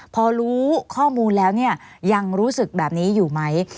พอรู้ข้อมูลแล้วเนี่ยยังรู้สึกแบบนี้อยู่ไหม